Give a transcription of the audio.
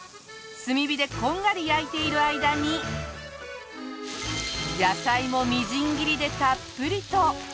炭火でこんがり焼いている間に野菜もみじん切りでたっぷりと！